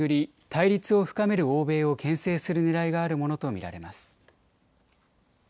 対立を深める欧米をけん制するねらいがあるものと見られます。